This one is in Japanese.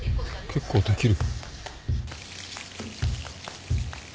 結構できる？